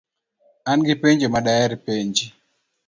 An gi penjo ma daher penji.